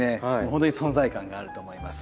ほんとに存在感があると思います。